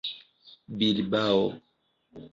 bilbao